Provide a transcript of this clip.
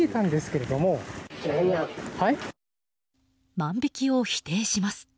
万引きを否定します。